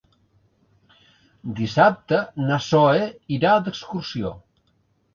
Dissabte na Zoè irà d'excursió.